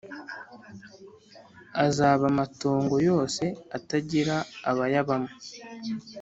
azaba amatongo yose, atagira abayabamo.